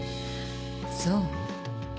そう。